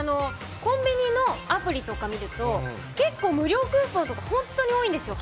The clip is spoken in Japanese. コンビニのアプリとか見ると結構無料クーポンとか本当に多いんですよ。